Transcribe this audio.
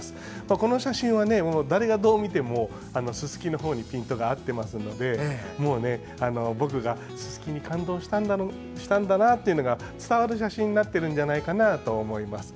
この写真は誰がどう見てもススキのほうにピントが合っていますので僕がススキに感動したんだなというのが伝わる写真になっているんじゃないかなと思います。